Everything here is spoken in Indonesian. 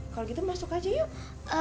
kalau gitu masuk aja yuk